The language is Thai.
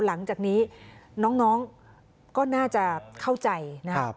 หลังจากนี้น้องก็น่าจะเข้าใจนะครับ